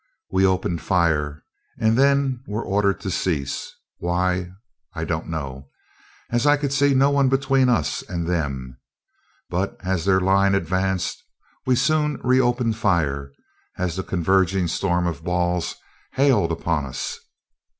We opened fire and then were ordered to cease why, I don't know, as I could see no one between us and them. But, as their line advanced, we soon re opened fire, as the converging storm of balls hailed upon us.